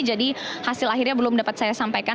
jadi hasil akhirnya belum dapat saya sampaikan